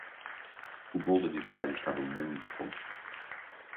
O bolo de aniversário estava muito bom.